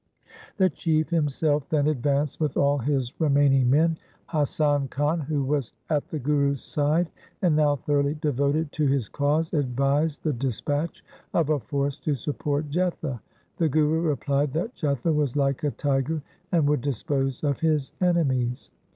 The Chief himself then advanced with all his remaining men. Hasan Khan, who was at the Guru's side and now thoroughly devoted to his cause, advised the dispatch of a force to support Jetha. The Guru replied that Jetha was like a tiger, and would dispose of his enemies.